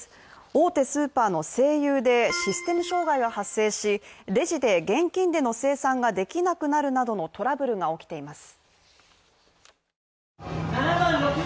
大手スーパーの西友でシステム障害が発生し、レジで現金での精算ができなくなるなどのトラブルが起きています。